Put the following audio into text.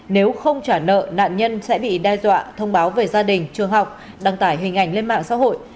nếu không trả nợ nạn nhân sẽ bị đe dọa thông báo về gia đình trường học đăng tải hình ảnh lên mạng xã hội